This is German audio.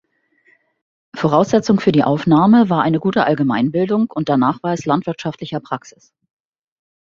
Voraussetzung für die Aufnahme war eine gute Allgemeinbildung und der Nachweis landwirtschaftlicher Praxis.